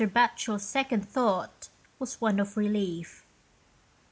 Batcher s second thought was one of relief.